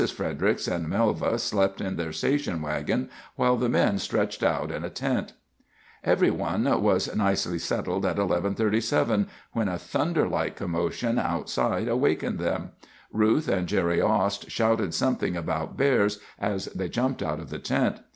Fredericks and Melva slept in their station wagon, while the men stretched out in a tent. Everyone was nicely settled by 11:37, when a thunder like commotion outside awakened them. Ruth and Gerry Ost shouted something about bears as they jumped out of the tent.